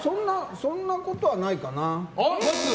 そんなことはないかな。